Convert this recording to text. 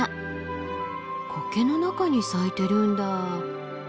コケの中に咲いてるんだ。